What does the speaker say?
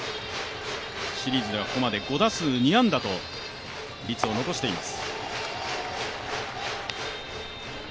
シリーズではここまで５打数２安打と率を残しています。